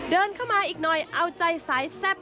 เดินเข้ามาอีกหน่อยเอาใจสายแซ่บ